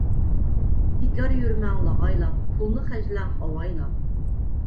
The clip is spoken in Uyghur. بىكار يۈرمەڭ لاغايلاپ، پۇلنى خەجلەڭ ئاۋايلاپ.